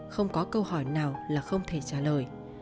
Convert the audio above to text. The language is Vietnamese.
không có câu hỏi nào là không thể trả lời